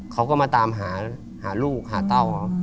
เขาก็มาตามหาลูกหาเต้า